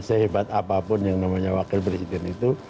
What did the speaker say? sehebat apapun yang namanya wakil presiden itu